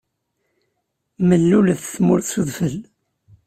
Mellulet tmurt s udfel.